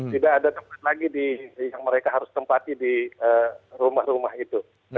tidak ada tempat lagi yang mereka harus tempati di rumah rumah itu